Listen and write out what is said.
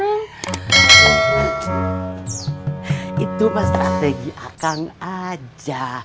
eh itu mah strategi akang aja